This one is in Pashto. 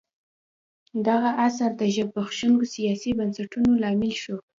دغه عصر د زبېښونکو سیاسي بنسټونو لامل شو.